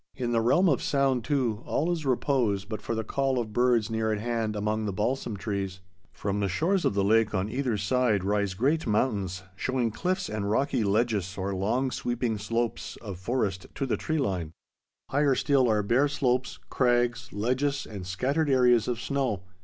In the realm of sound, too, all is repose but for the call of birds near at hand among the balsam trees. From the shores of the lake on either side rise great mountains, showing cliffs and rocky ledges or long sweeping slopes of forest to the tree line. Higher still are bare slopes, crags, ledges, and scattered areas of snow.